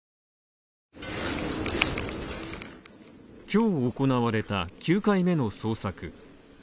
今日行われた９回目の捜索。